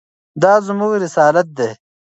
دا زموږ رسالت دی.